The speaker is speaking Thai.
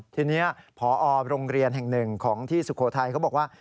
ทีนี้พอโรงเรียนแห่งหนึ่งของที่สุโขทัยเขาบอกว่า